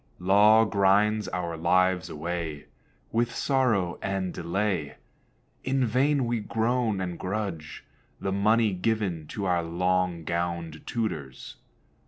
Law grinds our lives away With sorrow and delay. In vain we groan, and grudge The money given to our long gowned tutors.